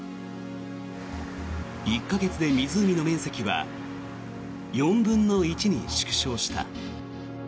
１か月で湖の面積は４分の１に縮小した。